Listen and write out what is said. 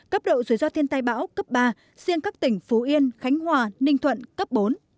cấp độ rủi ro thiên tai bão cấp ba riêng các tỉnh phú yên khánh hòa ninh thuận cấp bốn